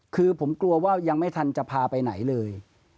คือผมกลัวว่ายังไม่ทันจะพาไปไหนเลย